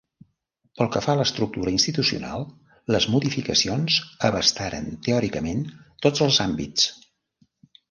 Pel que fa a l'estructura institucional, les modificacions abastaren, teòricament, tots els àmbits.